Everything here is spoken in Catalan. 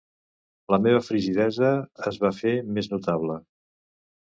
La meva frigidesa es va fer més notable.